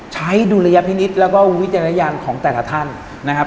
ดุลยพินิษฐ์แล้วก็วิจารณญาณของแต่ละท่านนะครับ